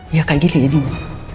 ya kayak gini aja dingin